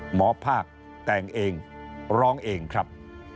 หมอภาคแต่งเองร้องเองครับ